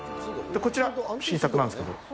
こちら、新作なんですけど。